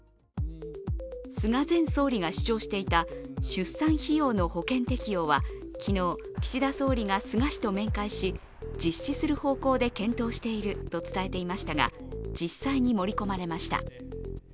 菅前総理が主張していた出産費用の保険適用は昨日、岸田総理が菅氏と面会し実施する方向で検討していると伝えていましたが、実際に盛り込まれました。